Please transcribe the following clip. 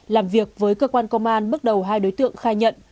làm việc với cơ quan công an bước đầu hai đối tượng khai nhận